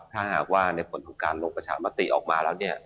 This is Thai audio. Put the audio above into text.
ถ้าหากว่าในผลของการลงประชามติออกมาแล้วเนี่ย